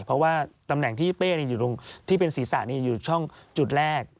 เพราะว่าตำแหน่งที่เป้นศีรษะนี้อยู่ช่องจุดแรก